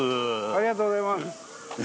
ありがとうございます。